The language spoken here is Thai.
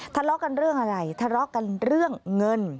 ทะเลาะกันเรื่องอะไรทะเลาะกันเรื่องเงิน